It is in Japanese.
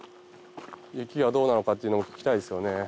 雪がどうなのかっていうの聞きたいですよね。